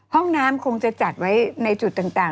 ห้องน้ำคงจะจัดไว้ในจุดต่าง